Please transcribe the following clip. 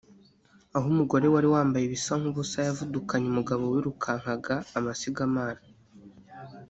aho umugore wari wambaye ibisa nk’ubusa yavudukanye umugabo wirukankaga amasigamana